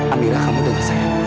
aminah kamu denger saya